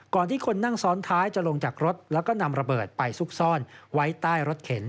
ที่คนนั่งซ้อนท้ายจะลงจากรถแล้วก็นำระเบิดไปซุกซ่อนไว้ใต้รถเข็น